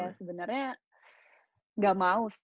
ya sebenarnya enggak mau setir